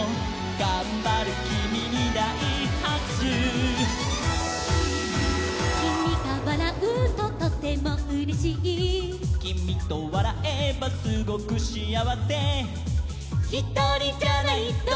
「がんばるキミにだいはくしゅ」「キミがわらうととてもうれしい」「キミとわらえばすごくしあわせ」「ひとりじゃないどんなときも」